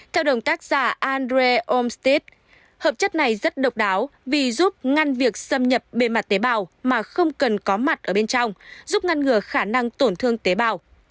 theo đồng tác giả andre omstit hợp chất này rất độc đáo vì giúp ngăn việc xâm nhập bề mặt tế bào mà không cần có mặt ở bên trong giúp ngăn ngừa khả năng tổn thương tế bào